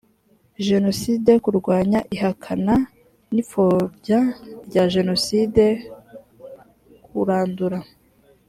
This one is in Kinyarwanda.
jenoside kurwanya ihakana n ipfobya rya jenoside kurandura